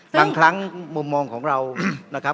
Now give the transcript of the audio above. บางครั้งมุมมองของเรานะครับ